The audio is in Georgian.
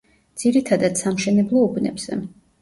ძირითადად სამშენებლო უბნებზე.